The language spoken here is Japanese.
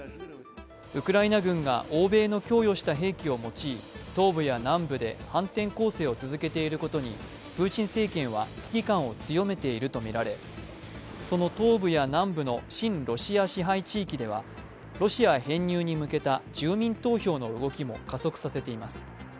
ウクライナ軍が欧米の供与した兵器を用い東部や南部で反転攻勢を続けていることにプーチン政権は危機感を強めているとみられその東部や南部の親ロシア支配地域ではロシア編入に向けた住民投票の動きも加速させています。